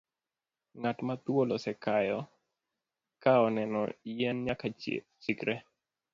Ng'at ma thuol osekayo ka oneno yien nyaka chikre.